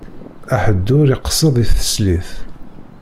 Aḥeddur iqsed i teslit.